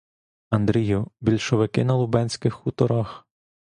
— Андрію, большевики на Лубенських хуторах!